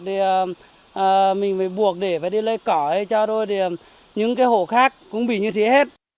thì mình phải buộc để phải đi lây cỏ cho đôi thì những cái hộ khác cũng bị như thế hết